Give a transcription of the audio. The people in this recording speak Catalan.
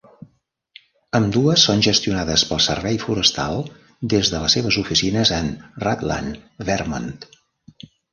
Ambdues són gestionades pel Servei Forestal des de les seves oficines en Rutland, Vermont.